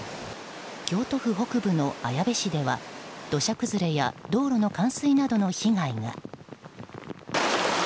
京都府北部の綾部市では土砂崩れや道路の冠水などの被害が。